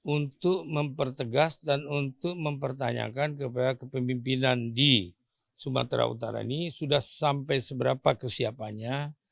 untuk mempertegas dan untuk mempertanyakan kepada kepemimpinan di sumatera utara ini sudah sampai seberapa kesiapannya